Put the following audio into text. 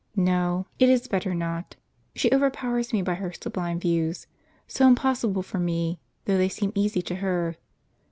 No; it is better not. She overpowers me by her sublime views, so impossible for me, though they seem easy to her.